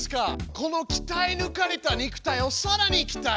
このきたえぬかれた肉体をさらにきたえ